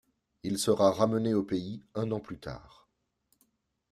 Il sera ramené au pays un an plus tard.